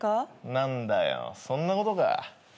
何だよそんなことか。